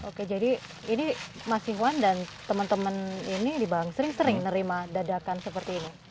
oke jadi ini mas iwan dan teman teman ini di bang sering sering nerima dadakan seperti ini